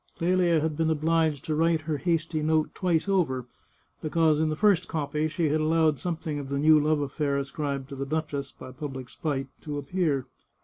Clelia had been obliged to write her hasty note twice over, because in the first copy she had allowed something of the new love affair ascribed to the duchess by public spite to appear.